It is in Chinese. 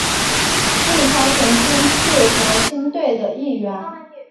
纪超曾经是国青队的一员。